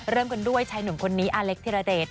เริ่มกันด้วยชายหนุ่มคนนี้อาเล็กธิรเดช